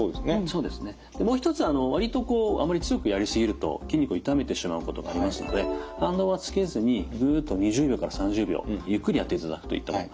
もう一つわりとこうあまり強くやりすぎると筋肉を痛めてしまうことがありますので反動はつけずにぐっと２０秒から３０秒ゆっくりやっていただくといいと思います。